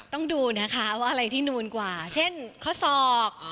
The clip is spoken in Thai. ต้องดูนะคะว่าอะไรที่นูนกว่าเช่นข้อศอก